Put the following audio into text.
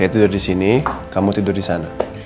tidur di sini kamu tidur di sana